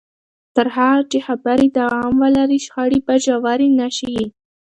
تر هغه چې خبرې دوام ولري، شخړې به ژورې نه شي.